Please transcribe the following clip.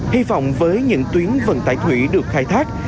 hy vọng với những tuyến vận tải thủy được khai thác